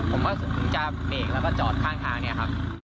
ผมก็ถึงจะเบรกแล้วก็จอดข้างทางเนี่ยครับ